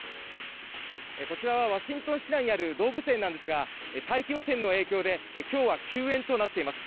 こちらはワシントン市内にある動物園ですが大気汚染の影響で今日は休園となっています。